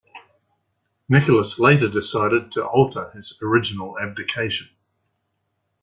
Nicholas later decided to alter his original abdication.